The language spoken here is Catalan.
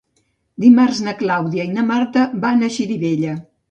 Dimarts na Clàudia i na Marta van a Xirivella.